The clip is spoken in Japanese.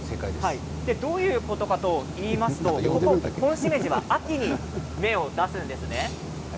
どういうことかといいますとホンシメジは秋に芽を出すんです。